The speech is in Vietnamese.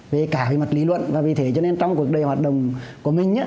về cả về mặt lý luận và vì thế cho nên trong cuộc đời hoạt động của mình